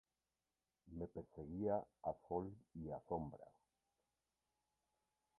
Me perseguía a sol y a sombra.